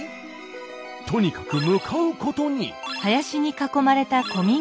とにかく向かうことに。